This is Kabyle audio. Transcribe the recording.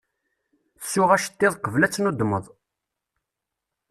Ssu aceṭṭiḍ, qbel ad tennudmeḍ.